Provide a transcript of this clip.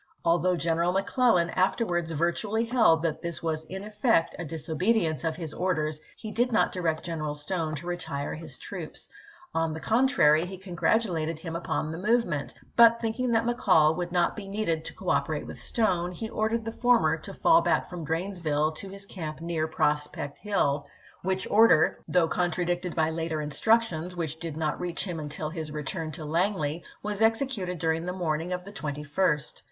Although General McClellan afterwards virtually held that this was in effect a disobedience of his orders, he did not direct General Stone to retire his troops — on the contrary, he congi atulated him upon the movement; but thinking that McCall would not be needed to cooperate with Stone, he ordered the former to fall back from Dranesville to his camp near Prospect Hill, which order, though McClel lan, Re port, W. R. Vol. v., p. 33. THE AEMY OF THE POTOMAC 455 contradicted by later instructions which did not ch. xxv. reach him until his return to Langley, was exe cuted during the morning of the 21st.